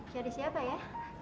cari siapa ya